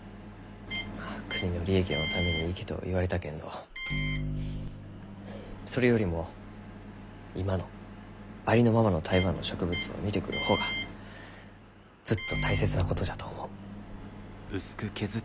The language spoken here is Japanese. まあ「国の利益のために行け」と言われたけんどうんそれよりも今のありのままの台湾の植物を見てくる方がずっと大切なことじゃと思う。